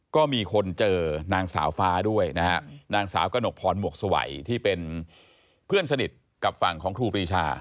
ก็มีคนเจอนางสาวฟ้าด้วยนะฮะนางสาวกระหนกพรหมวกสวัยที่เป็นเพื่อนสนิทกับฝั่งของครูปรีชา